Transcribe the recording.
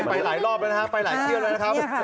ไปหลายรอบแล้วนะครับไปหลายเที่ยวเลยนะครับ